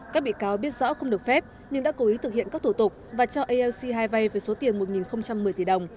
các bị cáo biết rõ không được phép nhưng đã cố ý thực hiện các thủ tục và cho alc hai vay với số tiền một một mươi tỷ đồng